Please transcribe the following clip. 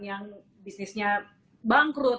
yang bisnisnya bangkrut